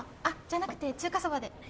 あっじゃなくて中華そばで。